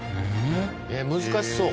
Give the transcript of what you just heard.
難しそう。